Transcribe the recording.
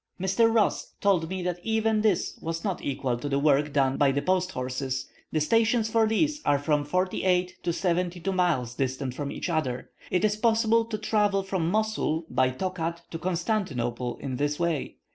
Mr. Ross told me that even this was not equal to the work done by the post horses: the stations for these are from forty eight to seventy two miles distant from each other. It is possible to travel from Mosul by Tokat to Constantinople in this way.